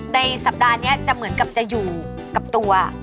สัปดาห์นี้จะเหมือนกับจะอยู่กับตัว